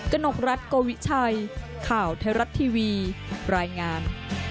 กนกรัฐโกวิชัยข่าวไทยรัฐทีวีรายงาน